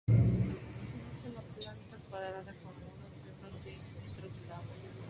Es de planta cuadrada, con muros de unos seis metros de lado.